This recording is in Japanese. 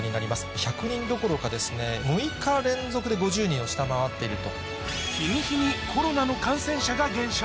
１００人どころか６日連続で５０人を下回っていると。